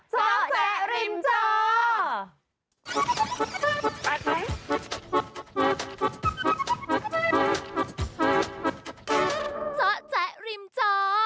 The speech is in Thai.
จแจะริมจอ